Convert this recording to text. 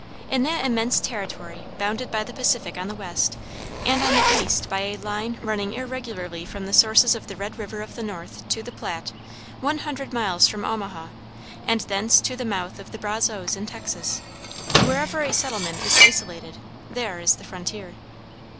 In that immense territory bounded by the Pacific on the west, and on the east by a line running irregularly from the sources of the Red River of the North to the Platte, one hundred miles from Omaha, and thence to the mouth of the Brazos in Texas, wherever a settlement is isolated, there is the frontier.